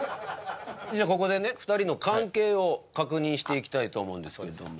ここでね２人の関係を確認していきたいと思うんですけれども。